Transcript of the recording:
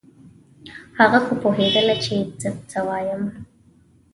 هغه خو پوهېدله چې زه څه وایم.